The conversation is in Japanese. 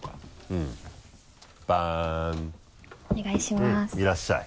うんいらっしゃい。